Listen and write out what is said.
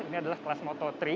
ini adalah kelas moto tiga